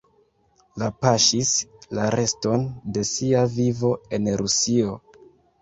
Li paŝis la reston de sia vivo en Rusio.